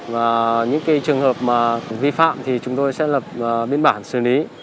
và những trường hợp vi phạm thì chúng tôi sẽ lập biên bản xử lý